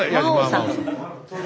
真央さん。